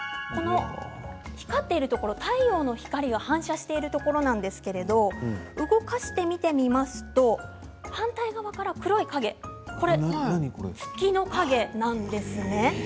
光っているところは太陽の光が反射しているところなんですけれども動かして見てみますと反対側から黒い影これは月の影なんです。